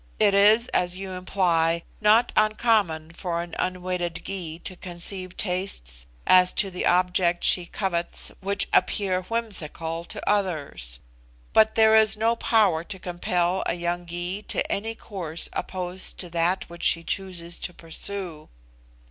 It is, as you imply, not uncommon for an unwedded Gy to conceive tastes as to the object she covets which appear whimsical to others; but there is no power to compel a young Gy to any course opposed to that which she chooses to pursue.